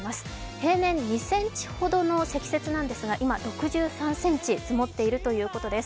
平年２ｃｍほどの積雪なんですが、今６３ｃｍ積もっているということです。